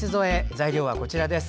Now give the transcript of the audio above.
材料はこちらです。